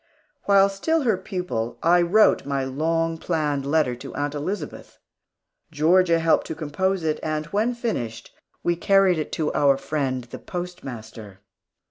While still her pupil, I wrote my long planned letter to Aunt Elizabeth. Georgia helped to compose it, and when finished, we carried it to our friend, the postmaster.